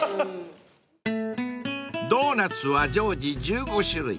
［ドーナツは常時１５種類］